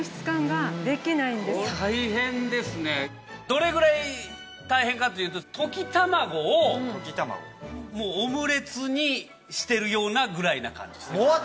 どれぐらい大変かっていうと溶き卵をもうオムレツにしてるようなぐらいな感じですよ。